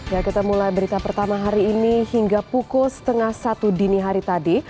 ya kita mulai berita pertama hari ini hingga pukul setengah satu dini hari tadi